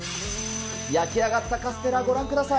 焼き上がったカステラ、ご覧ください。